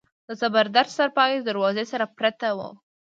د زبردست څارپايي د دروازې سره پرته وه.